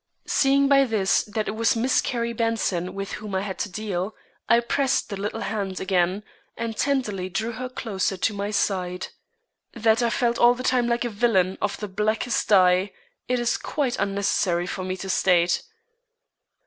Seeing by this that it was Miss Carrie Benson with whom I had to deal, I pressed the little hand again, and tenderly drew her closer to my side. That I felt all the time like a villain of the blackest dye, it is quite unnecessary for me to state.